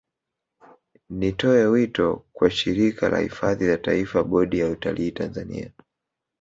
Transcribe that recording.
Nitoe wito kwa Shirika la Hifadhi za Taifa Bodi ya Utalii Tanzania